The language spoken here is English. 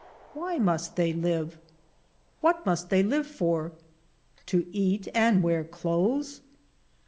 Why must they live?' What must thev live for? To eat and wear clothes?